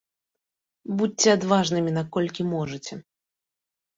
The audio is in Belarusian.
Будзьце адважнымі наколькі можаце.